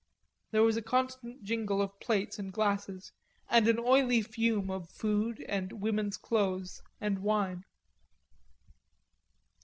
There was a constant jingle of plates and glasses, and an oily fume of food and women's clothes and wine.